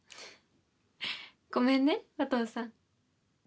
ごめんねお父さん。